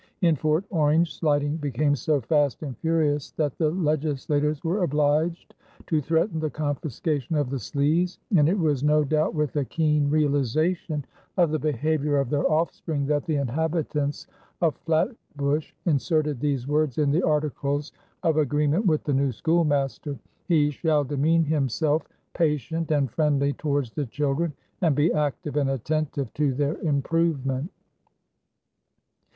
In Fort Orange sliding became so fast and furious that the legislators were obliged to threaten the confiscation of the slees, and it was no doubt with a keen realization of the behavior of their offspring that the inhabitants of Flatbush inserted these words in the articles of agreement with the new schoolmaster: "He shall demean himself patient and friendly towards the children and be active and attentive to their improvement."